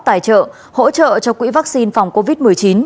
tài trợ hỗ trợ cho quỹ vaccine phòng covid một mươi chín